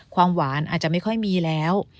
ความหวานอาจจะไม่ค่อยมีแล้ว